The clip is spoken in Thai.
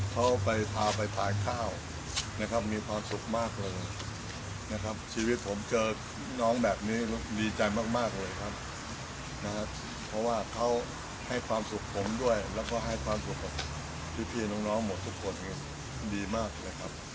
เขาไปพาไปทานข้าวนะครับมีความสุขมากเลยนะครับชีวิตผมเจอน้องแบบนี้ดีใจมากเลยครับนะครับเพราะว่าเขาให้ความสุขผมด้วยแล้วก็ให้ความสุขกับพี่น้องหมดทุกคนดีมากเลยครับ